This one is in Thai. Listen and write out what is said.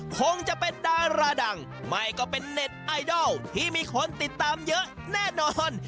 คงจะเป็นดาราดังไม่ก็เป็นเน็ตไอดอลที่มีคนติดตามเยอะแน่นอน